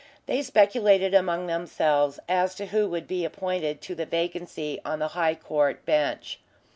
They speculated among themselves as to who would be appointed to the vacancy on the High Court Bench.